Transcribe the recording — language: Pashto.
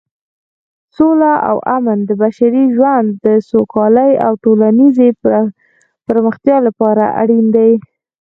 سوله او امن د بشري ژوند د سوکالۍ او ټولنیزې پرمختیا لپاره اړین دي.